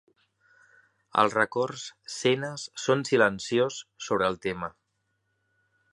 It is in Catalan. Els records Senes són silenciós sobre el tema.